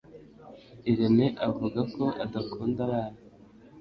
irene avuga ko adakunda abana.